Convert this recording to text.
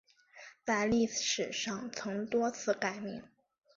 在历史上曾多次改名。